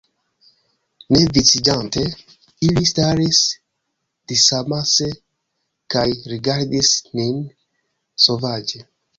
Ne viciĝante, ili staris disamase, kaj rigardis nin sovaĝe.